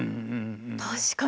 確かに。